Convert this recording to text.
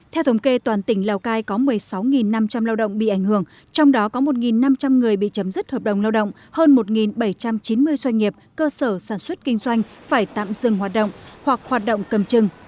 theo thống kê toàn tỉnh lào cai có một mươi sáu năm trăm linh lao động bị ảnh hưởng trong đó có một năm trăm linh người bị chấm dứt hợp đồng lao động hơn một bảy trăm chín mươi doanh nghiệp cơ sở sản xuất kinh doanh phải tạm dừng hoạt động hoặc hoạt động cầm chừng